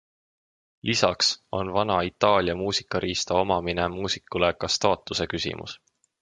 Lisaks on vana Itaalia muusikariista omamine muusikule ka staatuse küsimus.